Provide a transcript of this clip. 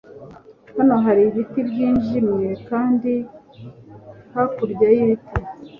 hano hari ibiti byijimye, kandi hakurya yibiti